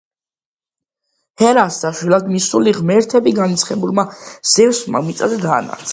ჰერას საშველად მისული ღმერთები განრისხებულმა ზევსმა მიწაზე დაანარცხა.